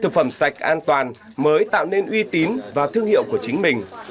thực phẩm sạch an toàn mới tạo nên uy tín và thương hiệu của chính mình